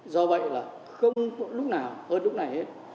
do vậy là không lúc nào hơn lúc này hết